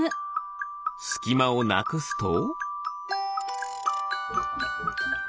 すきまをなくすと。